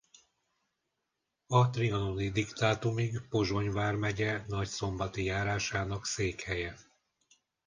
A trianoni diktátumig Pozsony vármegye Nagyszombati járásának székhelye.